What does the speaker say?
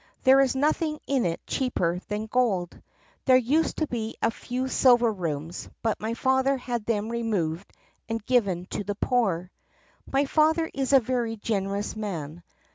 There is nothing in it cheaper than gold. There used to be a few silver rooms but my father had them removed and given to the poor. "My father is a very generous man.